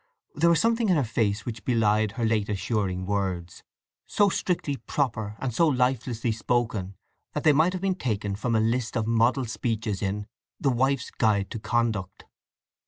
There was something in her face which belied her late assuring words, so strictly proper and so lifelessly spoken that they might have been taken from a list of model speeches in "The Wife's Guide to Conduct."